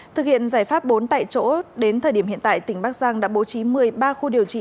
thực hiện giải pháp bốn tại chỗ đến thời điểm hiện tại tỉnh bắc giang đã bố trí một mươi ba khu điều trị